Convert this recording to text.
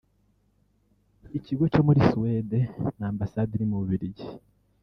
Ikigo cyo muri Suède na Ambasade iri mu Bubiligi